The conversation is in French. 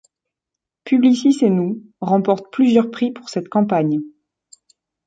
Publicis Et Nous remporte plusieurs prix pour cette campagne.